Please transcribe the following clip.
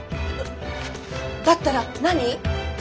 だったら何？